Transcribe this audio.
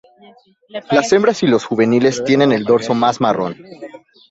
Las hembras y los juveniles tienen el dorso más marrón.